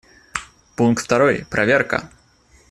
Пункт второй: проверка.